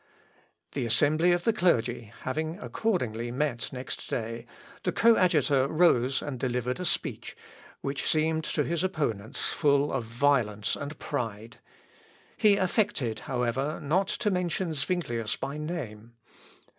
] The assembly of the clergy having accordingly met next day, the coadjutor rose and delivered a speech, which seemed to his opponents full of violence and pride. He affected, however, not to mention Zuinglius by name.